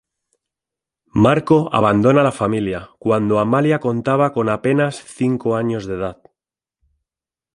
Marco abandona la familia cuando Amalia contaba con apenas cinco años de edad.